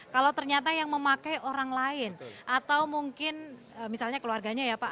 kalau ternyata yang memakai orang lain atau mungkin misalnya keluarganya ya pak